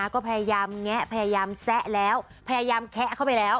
ก็พยายามแงะพยายามแซะแล้วพยายามแคะเข้าไปแล้ว